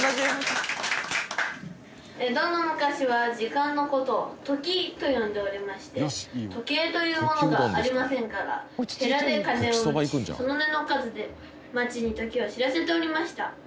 どうも昔は時間の事を「時」と呼んでおりまして時計というものがありませんから寺で鐘を打ちその音の数で町に時を知らせておりました。